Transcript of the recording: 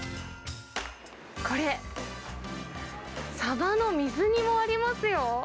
これ、さばの水煮もありますよ。